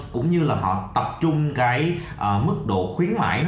cũng như là họ tập trung mức độ khuyến mại